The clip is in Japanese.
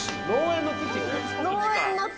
農園の土？